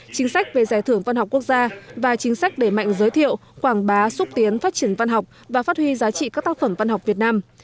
chính sách về giải thưởng văn học quốc gia và chính sách để mạnh giới thiệu quảng bá xúc tiến phát triển văn học và phát huy giá trị các tác phẩm văn học việt nam